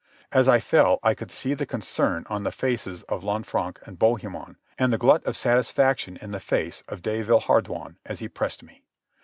As I fell I could see the concern on the faces of Lanfranc and Bohemond and the glut of satisfaction in the face of de Villehardouin as he pressed me.